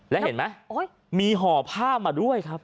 แล้วเห็นไหมมีห่อผ้ามาด้วยครับ